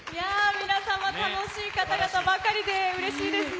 皆さま、楽しい方々ばかりで、うれしいですね。